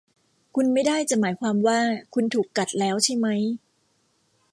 คุณไม่ได้จะหมายความว่าคุณถูกกัดแล้วใช่มั้ย ?